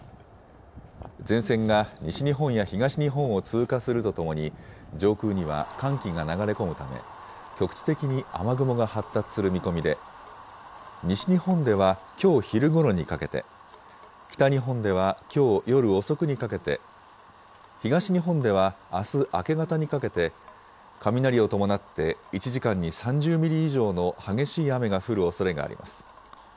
前線が西日本や東日本を通過するとともに、上空には寒気が流れ込むため、局地的に雨雲が発達する見込みで、西日本ではきょう昼ごろにかけて、北日本ではきょう夜遅くにかけて、東日本ではあす明け方にかけて、雷を伴って１時間に３０ミリ以上の激しい雨が降るおそれがあります。